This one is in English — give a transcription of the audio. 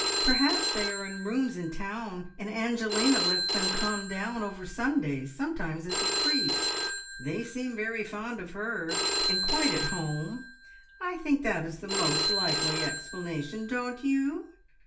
Perhaps they are in rooms in town, and Angelina lets them come down over Sundays sometimes as a treat. They seem very fond of her, and quite at home. I think that is the most likely explanation, don't you?"